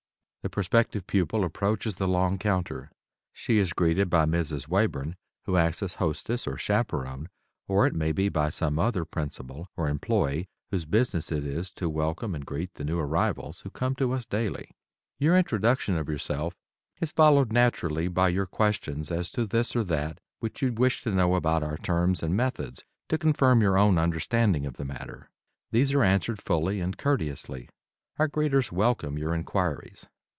The prospective pupil approaches the long counter. She is greeted by Mrs. Wayburn, who acts as hostess, or chaperon, or it may be by some other principal or employee, whose business it is to welcome and greet the new arrivals who come to us daily. Your introduction of yourself is followed naturally by your questions as to this or that which you wish to know about our terms and methods, to confirm your own understanding of the matter. These are answered fully and courteously. Our greeters welcome your inquiries.